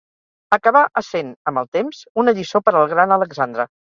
acabà essent, amb el temps, una lliçó per al gran Alexandre.